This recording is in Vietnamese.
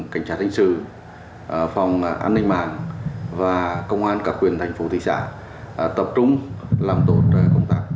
cảnh sát hình sự phòng an ninh mạng và công an các quyền thành phố thị xã tập trung làm tốt công tác